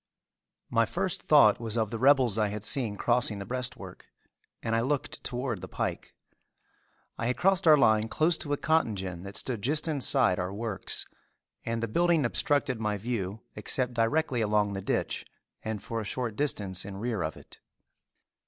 My first thought was of the rebels I had seen crossing the breastwork, and I looked toward the pike. I had crossed our line close to a cotton gin that stood just inside our works and the building obstructed my view except directly along the ditch and for a short distance in rear of it.